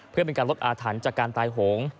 เพื่อเป็นการลดอาถรรพ์จากการตายโหง